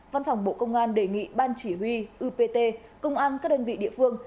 văn phòng bộ công an đề nghị ban chỉ huy upt công an các đơn vị địa phương